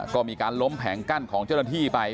ก็มีการล้มแผงกั้นของเจ้าหน้าที่ไป